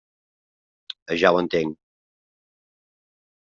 Ja ho entenc.